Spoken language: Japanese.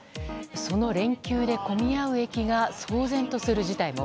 その連休で混み合う駅が騒然とする事態も。